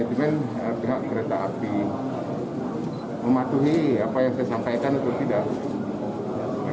cuma pihak kereta api mematuhi apa yang saya sampaikan atau tidak